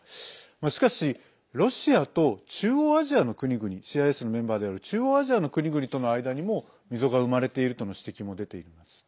しかし、ロシアとＣＩＳのメンバーである中央アジアの国々との間にも溝が生まれているとの指摘も出ているんです。